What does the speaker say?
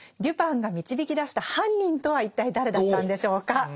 デュパンが導き出した犯人とは一体誰だったんでしょうか。